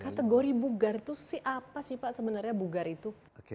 kategori bugar itu sih apa sih pak sebenarnya bugar itu